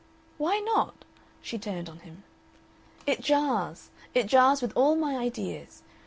"Why not?" She turned on him. "It jars. It jars with all my ideas.